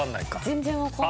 全然わかんない。